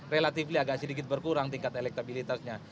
relatif agak sedikit berkurang tingkat elektabilitasnya